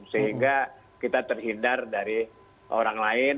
sehingga kita terhindar dari orang lain